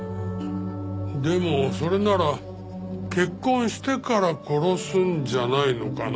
でもそれなら結婚してから殺すんじゃないのかな？